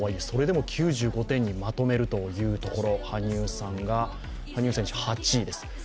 それでも９５点にまとめるというところ、羽生選手、８位です。